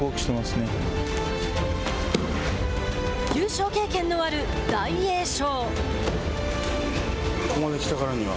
優勝経験のある、大栄翔。